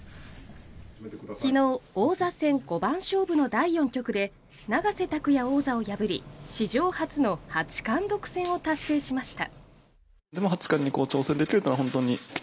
昨日、王座戦五番勝負の第４局で永瀬拓矢王座を破り史上初の八冠独占を達成しました。